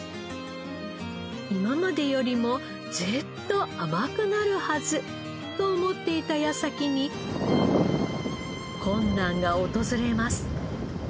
今までよりもずーっと甘くなるはずと思っていた矢先に困難が訪れます。